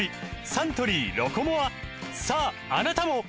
サントリー「ロコモア」さああなたも！